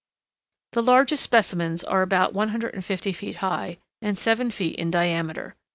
The largest specimens are about 150 feet high, and seven feet in diameter.